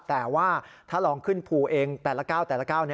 แต่ว่าถ้าลองขึ้นภูเองแต่ละก้าวแต่ละก้าว